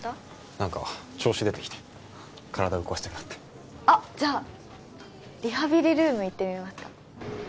何か調子出てきて体動かしたくなってあっじゃあリハビリルーム行ってみますか？